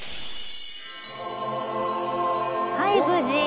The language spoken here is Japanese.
はい無事。